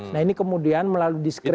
nah ini kemudian melalui diskresi